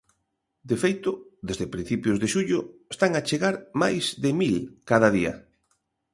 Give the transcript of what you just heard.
De feito, desde principios de xullo están a chegar máis de mil cada día.